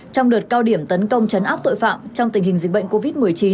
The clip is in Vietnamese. trong đợt cao điểm tấn công chấn áp tội phạm trong tình hình dịch bệnh covid một mươi chín